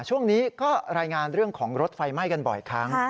ช่วงนี้ก็รายงานเรื่องของรถไฟไหม้กันบ่อยครั้ง